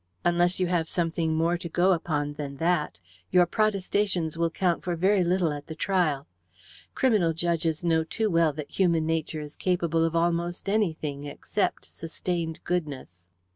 Unless you have something more to go upon than that, your protestations will count for very little at the trial. Criminal judges know too well that human nature is capable of almost anything except sustained goodness."